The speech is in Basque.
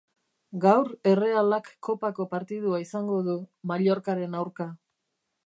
Gaur Errealak kopako partidua izango du Mallorcaren aurka